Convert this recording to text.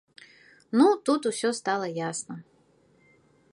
Ну, тут усё стала ясна.